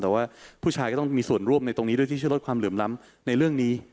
แต่ว่าผู้ชายก็ต้องมีส่วนร่วมในตรงนี้ด้วยที่จะลดความเหลื่อมล้ำในเรื่องนี้